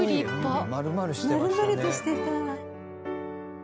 羽田：丸々としてた。